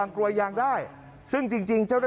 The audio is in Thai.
ไม่นะครับ